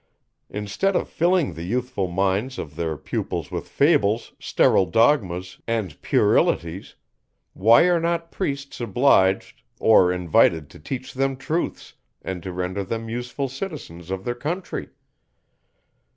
Instead of filling the youthful minds of their pupils with fables, sterile dogmas, and puerilities, why are not priests obliged, or invited to teach them truths, and to render them useful citizens of their country?